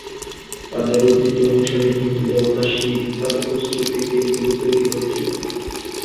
তাদের ঐতিহ্য অনুসারে, হিন্দু দেবতা শিব তাঁর অশ্রু থেকে এগুলি তৈরি করেছিলেন।